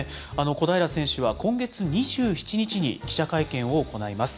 小平選手は今月２７日に記者会見を行います。